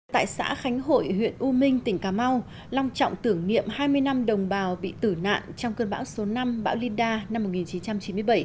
tại xã khánh hội huyện u minh tỉnh cà mau long trọng tưởng niệm hai mươi năm đồng bào bị tử nạn trong cơn bão số năm bão linhda năm một nghìn chín trăm chín mươi bảy